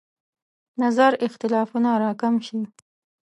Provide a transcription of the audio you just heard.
نظر اختلافونه راکم شي.